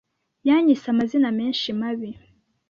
Yanyise amazina menshi mabi